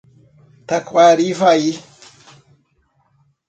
Taquarivaí